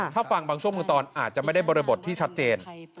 ถ้าฟังบางช่วงบางตอนอาจจะไม่ได้บริบทที่ชัดเจน